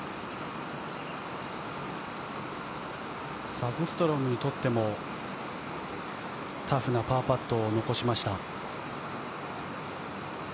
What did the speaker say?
サグストロムにとってもタフなパーパットを残しました。